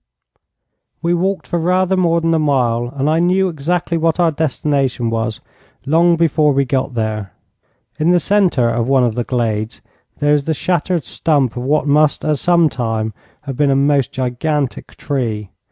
We walked for rather more than a mile, and I knew exactly what our destination was, long before we got there. In the centre of one of the glades, there is the shattered stump of what must at some time have been a most gigantic tree.